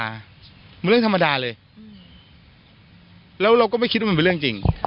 มันเรื่องธรรมดาเลยแล้วเราก็ไม่คิดว่ามันเป็นเรื่องจริง